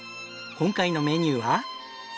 今回のメニューは？